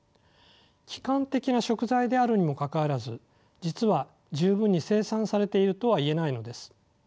基幹的な食材であるにもかかわらず実は十分に生産されているとは言えないのです。